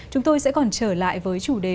chúng tôi sẽ còn trở lại với chủ đề